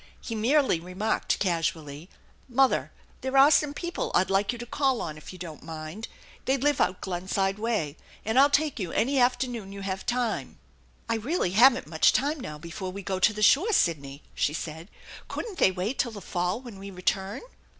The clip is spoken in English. He merely remarked casually :" Mother, there are some people I'd like you to call on if you don't mind. They live out Glenside way, and I'll take you any afternoon you have time." " I really haven't much time now before we go to the shore, Sidney," she said. " Couldn't they wait till the fall when we return